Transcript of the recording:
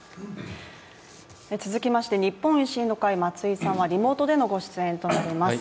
続きまして日本維新の会の松井さんはリモートでのご出演になります。